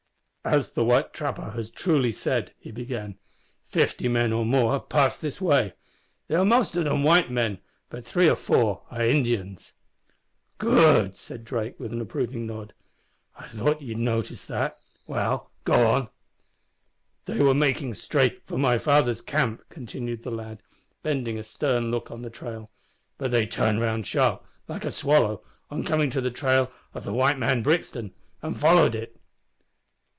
"As the white trapper has truly said," he began, "fifty men or more have passed this way. They are most of them white men, but three or four are Indians." "Good!" said Drake, with an approving nod; "I thought ye'd notice that. Well, go on." "They were making straight for my father's camp," continued the lad, bending a stern look on the trail, "but they turned sharp round, like the swallow, on coming to the trail of the white man Brixton, and followed it."